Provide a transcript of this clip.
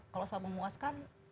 kalau soal memuaskan